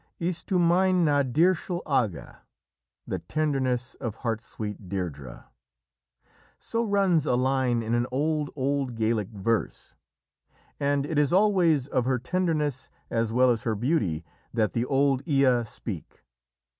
"Is tu mein na Dearshul agha" "The tenderness of heartsweet Deirdrê" so runs a line in an old, old Gaelic verse, and it is always of her tenderness as well as her beauty that the old Oea speak.